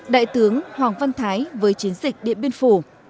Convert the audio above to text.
đại tướng hoàng văn thái với chiến dịch điện biên phủ